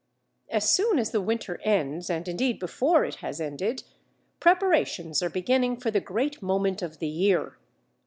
As soon as the winter ends, and indeed before it has ended, preparations are beginning for the great moment of the year.